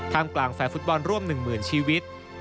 ทางกลางแฟร์ฟุตบอลร่วม๑หมื่นชีวิต